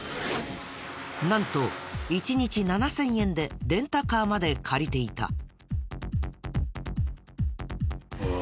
なんと１日７０００円でレンタカーまで借りていた。